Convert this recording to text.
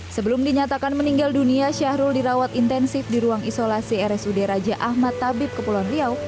sebelum dinyatakan meninggal dunia syahrul dirawat intensif di ruang isolasi rsud raja ahmad tabib kepulauan riau